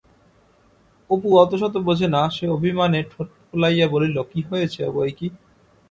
অপু অতশত বোঝে না, সে অভিমানে ঠোঁট ফুলাইয়া বলিল, কি হয়েছে বইকি!